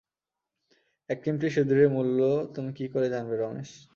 এক চিমটি সিঁদুরের মূল্য তুমি কি করে জানবে রমেশ?